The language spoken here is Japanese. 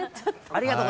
ありがとう。